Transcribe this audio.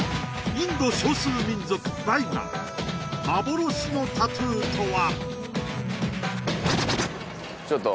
インド少数民族バイガ幻のタトゥーとは？